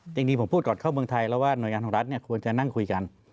จริงผมพูดก่อนเข้าเมืองไทยแล้วว่าหน่วยงานของรัฐควรจะนั่งคุยกัน